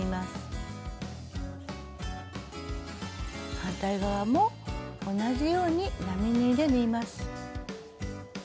反対側も同じように並縫いで縫います。